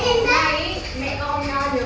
mẹ con mẹ con đừng bù đỏ con